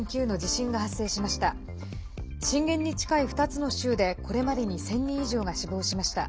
震源に近い２つの州でこれまでに１０００人以上が死亡しました。